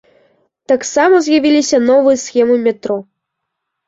Таксама з'явіліся новыя схемы метро.